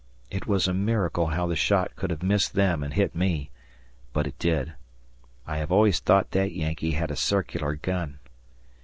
It was a miracle how the shot could have missed them and hit me but it did. I have always thought that Yankee had a circular gun.